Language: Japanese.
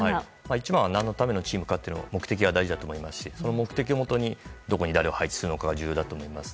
一番は何のためのチームか目的が大事だと思いますしその目的をもとにどこに誰を配置するのかが重要だと思います。